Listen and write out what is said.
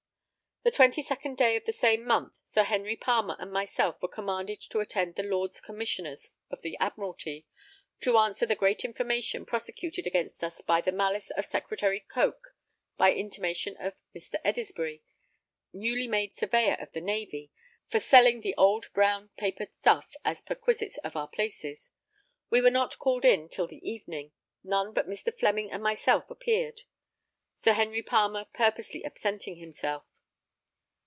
The 22nd day of the same month, Sir Henry Palmer and myself were commanded to attend the Lords Commissioners of the Admiralty, to answer the great information prosecuted against us by the malice of Secretary Coke by intimation of Mr. Edisbury, newly made Surveyor of the Navy, for selling the old brown paper stuff as perquisites of our places; we were not called in till the evening; none but Mr. Fleming and myself appeared, Sir Henry Palmer purposely absenting himself.